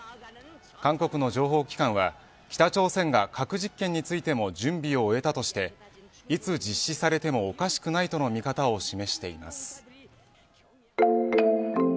韓国の情報機関は北朝鮮が核実験についても準備を終えたとしていつ実施されてもおかしくないとの見方を示しています。